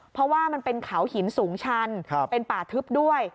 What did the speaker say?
เพราะว่ามันเป็นเขาหินสูงชันเป็นป่าทึบด้วย